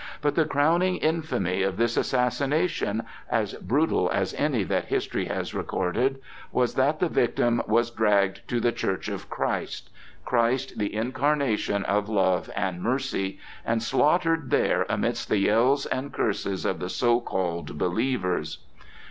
But the crowning infamy of this assassination, as brutal as any that history has recorded, was that the victim was dragged to the church of Christ,—Christ, the incarnation of love and mercy,—and slaughtered there amidst the yells and curses of the so called believers.